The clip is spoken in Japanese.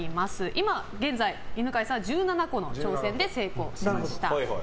今、現在犬飼さんは１７個の挑戦で成功しました。